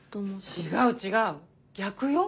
違う違う逆よ。